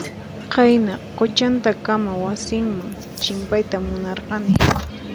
Qayna quchantakama wasinman chimpayta munarqani.